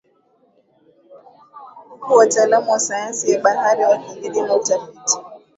Huku wataalamu wa sayansi ya bahari wakiendelea na utafiti